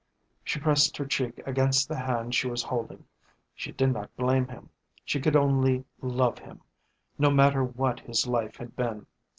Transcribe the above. She pressed her cheek against the hand she was holding. She did not blame him, she could only love him, no matter what his life had been.